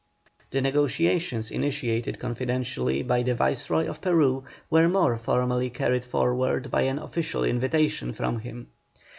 The negotiations initiated confidentially by the Viceroy in Peru were more formally carried forward by an official invitation from him.